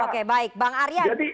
oke baik bang aryan